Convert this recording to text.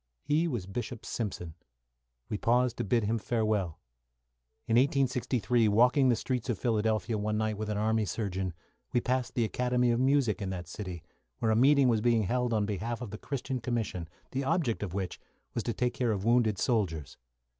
He was Bishop Simpson. We paused to bid him farewell. In 1863, walking the streets of Philadelphia one night with an army surgeon, we passed the Academy of Music in that city, where a meeting was being held on behalf of the Christian Commission, the object of which was to take care of wounded soldiers.